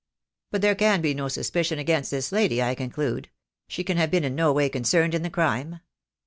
'' "But there can be no suspicion against this lady, I conclude. She can have been in no way concerned in the crime?"